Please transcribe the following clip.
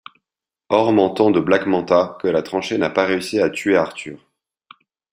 Orm entend de Black Manta que la tranchée n'a pas réussi à tuer Arthur.